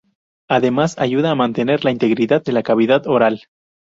Además, ayuda a mantener la integridad de la cavidad oral.